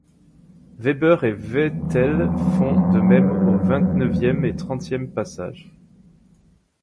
Webber et Vettel font de même aux vingt-neuvième et trentième passages.